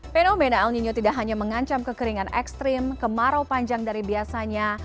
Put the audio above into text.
fenomena el nino tidak hanya mengancam kekeringan ekstrim kemarau panjang dari biasanya